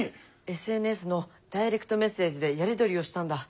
ＳＮＳのダイレクトメッセージでやり取りをしたんだ。